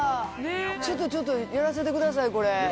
ちょっとちょっとやらせてくださいこれ。